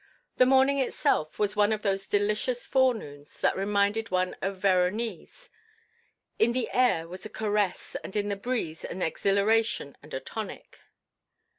The morning itself was one of those delicious forenoons that reminded one of Veronese. In the air was a caress and in the breeze an exhilaration and a tonic.